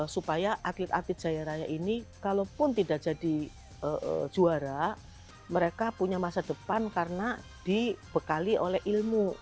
supaya atlet atlet jaya raya ini kalaupun tidak jadi juara mereka punya masa depan karena dibekali oleh ilmu